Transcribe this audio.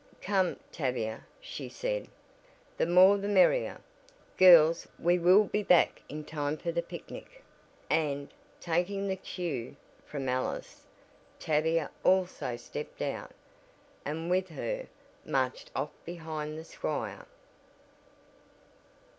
"Come, Tavia," she said, "the more the merrier. Girls we will be back in time for the picnic," and, taking the "cue" from Alice, Tavia also stepped out, and with her, marched off behind the squire.